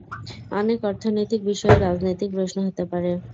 অনেক অর্থনৈতিক বিষয়ও রাজনৈতিক প্রশ্ন হতে পারে।